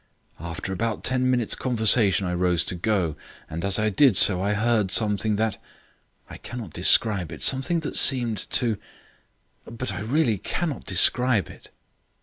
"After about ten minutes' conversation I rose to go, and as I did so I heard something which I cannot describe it something which seemed to but I really cannot describe it."